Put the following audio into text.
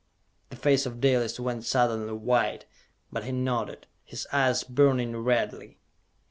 The face of Dalis went suddenly white, but he nodded, his eyes burning redly.